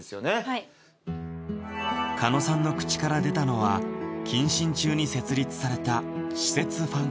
はい狩野さんの口から出たのは謹慎中に設立された私設ファン